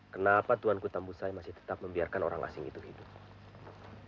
kenapa tuhan kutambu saya masih tetap membiarkan orang asing itu hidup